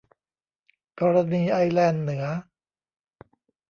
กรณีไอร์แลนด์เหนือ